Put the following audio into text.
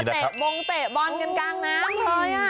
โอ้เตะบงเตะบอลกันกลางน้ำ